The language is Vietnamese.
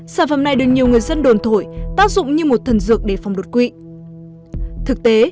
sản phẩm này được nhiều người dân đồn thổi tác dụng như một thần dược để phòng đột quỵ